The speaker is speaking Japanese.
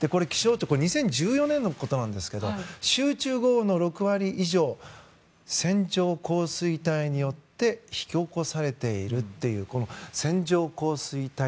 ２０１４年のことなんですけど集中豪雨の６割以上線状降水帯によって引き起こされているっていう線状降水帯。